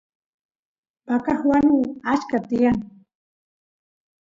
vaca wanu achka tiyan